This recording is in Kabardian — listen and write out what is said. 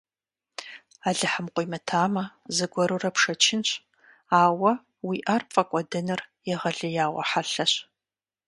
Алыхьым къуимытамэ, зыгуэрурэ пшэчынщ, ауэ уиӀар пфӀэкӀуэдыныр егъэлеяуэ хьэлъэщ.